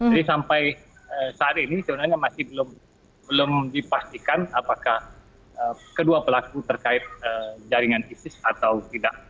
jadi sampai saat ini sebenarnya masih belum dipastikan apakah kedua pelaku terkait jaringan isis atau tidak